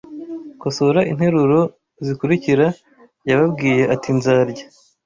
Kosora interuro zikurikira Yababwiye ati nzarya